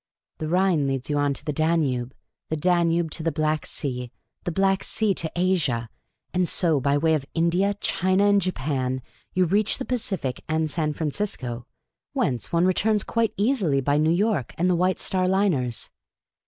The Rhine leads you on to the Danube, the Danube to the Black Sea, the Black Sea to Asia ; and so by way of India, China, and Japan, you reach the Pacific and San Francisco ; whence one returns quite easily by New York and the White Star Liners.